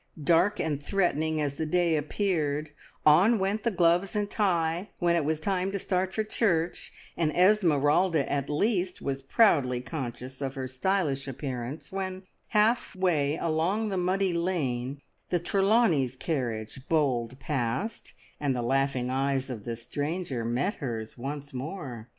Dark and threatening as the day appeared, on went gloves and tie, when it was time to start for church, and Esmeralda at least was proudly conscious of her stylish appearance, when half way along the muddy lane the Trelawneys' carriage bowled past, and the laughing eyes of the stranger met hers once more.